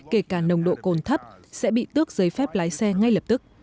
kể cả nồng độ cồn thấp sẽ bị tước giấy phép lái xe ngay lập tức